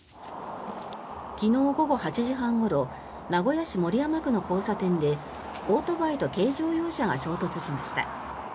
昨日午後８時半ごろ名古屋市守山区の交差点でオートバイと軽乗用車が衝突しました。